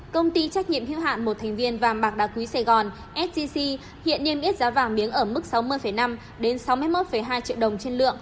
công ty trách nhiệm hữu hạn một thành viên vàng bạc đá quý sài gòn sgc hiện niêm yết giá vàng miếng ở mức sáu mươi năm đến sáu mươi một hai triệu đồng trên lượng